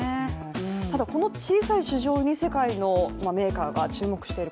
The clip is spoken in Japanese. ただこの小さい市場に世界のメーカーが注目している。